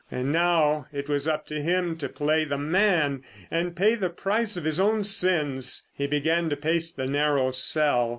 And now it was up to him to play the man and pay the price of his own sins. He began to pace the narrow cell.